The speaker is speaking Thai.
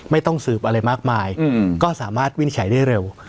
ไม่ต้องสืบอะไรมากมายก็สามารถวินิจฉัยได้เร็ว